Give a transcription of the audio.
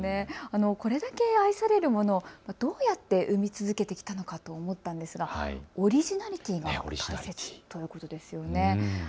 これだけ愛されるものをどうやって生み続けてきたのかと思ったんですがオリジナリティーが大切ということですね。